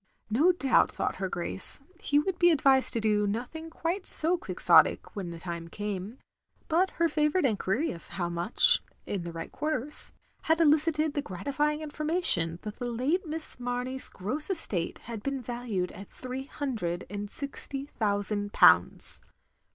No doubt, thought her Grace, he would be OP GROSVENOR SQUARE 295 advised to do nothing quite so quixotic when the time came; but her favotirite enquiry of How much? in the right quarters, had elicited the gratifying information that the late Miss Mamey's gross estate had been valued at three hundred and sixty thotisand pounds.